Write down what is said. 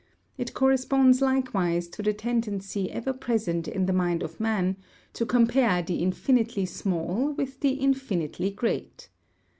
It corresponds likewise to the tendency ever present in the mind of man, to compare the infinitely small with the infinitely great.